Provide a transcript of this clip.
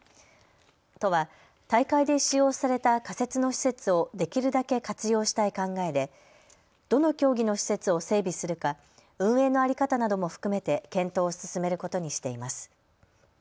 都は大会で使用された仮設の施設をできるだけ活用したい考えでどの競技の施設を整備するか運営の在り方なども含めて検討を進めることにしています。